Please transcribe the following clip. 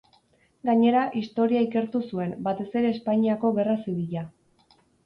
Gainera, historia ikertu zuen, batez ere Espainiako Gerra Zibila.